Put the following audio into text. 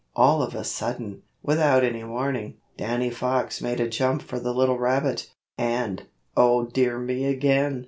All of a sudden, without any warning, Danny Fox made a jump for the little rabbit. And, oh dear me again!